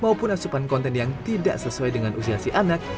maupun asupan konten yang tidak sesuai dengan usia si anak